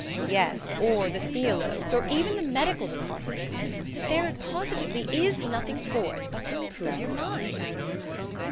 " Yes, or the theologues, or even the medical de partment ; then there positively is nothing for it but to improve your mind."